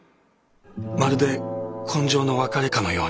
まるで今生の別れかのように。